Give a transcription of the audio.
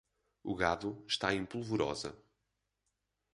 O gado está em polvorosa